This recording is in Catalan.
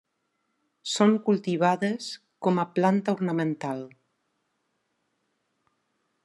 Són cultivades com a planta ornamental.